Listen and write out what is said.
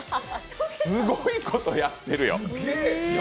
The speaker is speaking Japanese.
すごいことやってるよ。